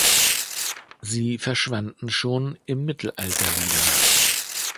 Sie verschwanden schon im Mittelalter wieder.